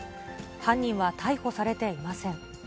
犯人は逮捕されていません。